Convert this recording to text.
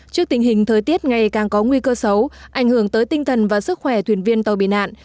trước tình hình thời tiết ngày càng có nguy cơ xấu ảnh hưởng tới tinh thần và sức khỏe thuyền viên tàu bị nạn